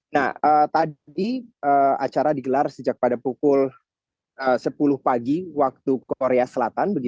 nah tadi acara digelar sejak pada pukul sepuluh pagi waktu korea selatan